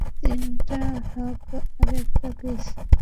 তিনটা হাগ আর একটা কিস।